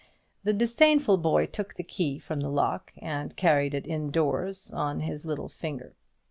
The disdainful boy took the key from the lock, and carried it in doors on his little finger.